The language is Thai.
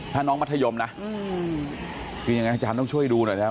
ถ้าน้องมัธยมนะคือยังไงอาจารย์ต้องช่วยดูหน่อยแล้ว